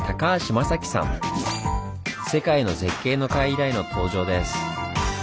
「世界の絶景」の回以来の登場です。